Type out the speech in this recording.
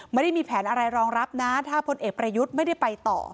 ไม่ได้มีแผนอะไรรองรับนะถ้าพลเอกประยุทธ์ไม่ได้ไปต่อ